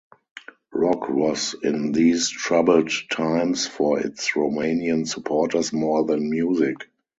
Rock was in these troubled times for its Romanian supporters more than music.